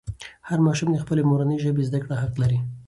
هر ماشوم د خپلې مورنۍ ژبې زده کړه حق لري.